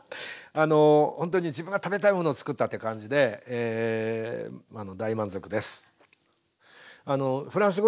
あのほんとに自分が食べたいものをつくったって感じで大満足です。